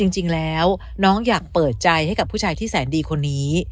จริงแล้วน้องอยากเปิดใจให้กับผู้ชายที่แสนดีคนนี้